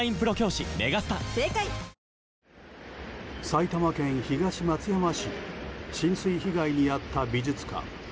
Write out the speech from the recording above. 埼玉県東松山市で浸水被害に遭った美術館。